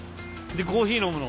でコーヒー飲むの？